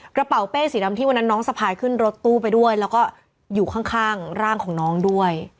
เป้สีดำที่วันนั้นน้องสะพายขึ้นรถตู้ไปด้วยแล้วก็อยู่ข้างร่างของน้องด้วย